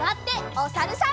おさるさん。